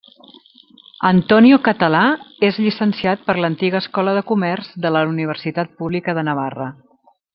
Antonio Català és llicenciat per l'antiga Escola de Comerç de la Universitat Pública de Navarra.